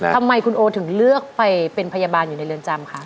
ทำไมคุณโอถึงเลือกไปเป็นพยาบาลอยู่ในเรือนจำคะ